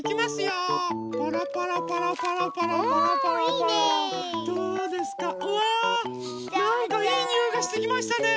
うわなんかいいにおいがしてきましたね。